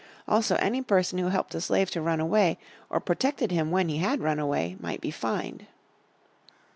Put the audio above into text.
Also any person who helped a slave to run away, or protected him when he had run away, might be fined.